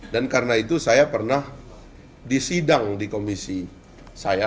dan karena itu saya pernah disidang di komisi saya